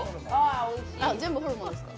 あっ、全部ホルモンですか。